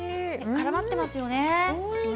からまっていますよね。